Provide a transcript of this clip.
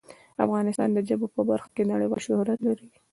افغانستان د ژبو په برخه کې نړیوال شهرت لري.